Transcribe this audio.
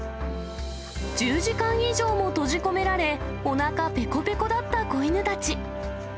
１０時間以上も閉じ込められ、おなかぺこぺこだった子犬たち。